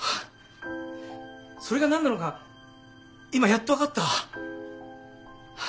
それが何なのか今やっと分かった。